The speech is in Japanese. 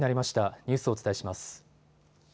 ニュースお伝えします。